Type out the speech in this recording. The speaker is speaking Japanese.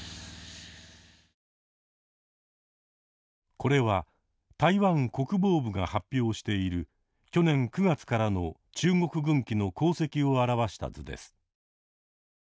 これは台湾国防部が発表している去年９月からの中国軍機の航跡を表した図です。